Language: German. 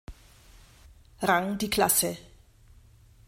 Rang die Klasse.